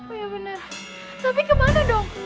oh iya bener tapi kemana dong